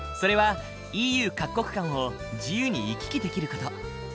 それはＥＵ各国間を自由に行き来できる事。